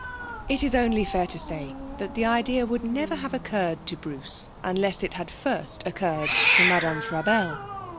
It is only fair to say that the idea would never have occurred to Bruce unless it had first occurred to Madame Frabelle.